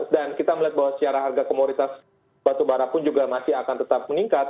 dan kita melihat bahwa secara harga komoditas batu bara pun juga masih akan tetap meningkat